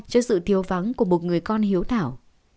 trước sự thiếu vắng của một người con hiếu thảo